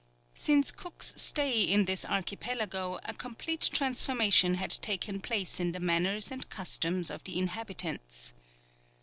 ] Since Cook's stay in this archipelago a complete transformation had taken place in the manners and customs of the inhabitants.